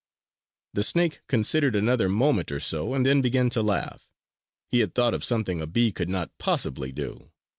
The snake considered another moment or so and then began to laugh. He had thought of something a bee could not possibly do.